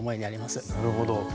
なるほど。